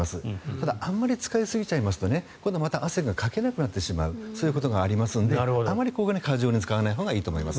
ただ、あまり使いすぎると今度は汗がかけなくなってしまうそういうことがありますのであまり過剰に使わないほうがいいと思います。